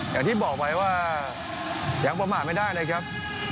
อย่างที่บอกไว้ว่ายังประมาทไม่ได้เลยครับ